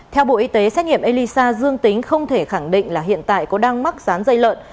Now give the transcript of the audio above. theo bộ y tế xét nghiệm elisa dương tính không thể khẳng định là hiện tại có đang mắc dán dây lợn